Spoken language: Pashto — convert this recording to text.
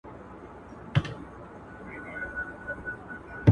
مجلس څنګه د جنګ اعلان کوي؟